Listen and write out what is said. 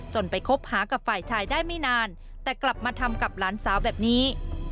ไปคบหากับฝ่ายชายได้ไม่นานแต่กลับมาทำกับหลานสาวแบบนี้